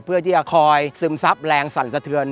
เพื่อที่จะคอยซึมซับแรงสั่นสะเทือน